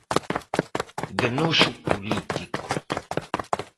¡De noxo político!